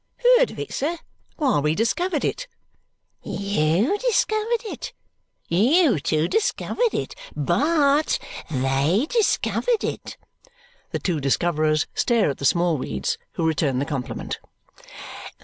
"Heard of it, sir! Why, we discovered it." "You discovered it. You two discovered it! Bart, THEY discovered it!" The two discoverers stare at the Smallweeds, who return the compliment.